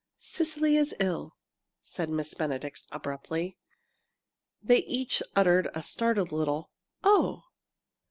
"Cecily is ill!" said Miss Benedict, abruptly. They each uttered a startled little "Oh!"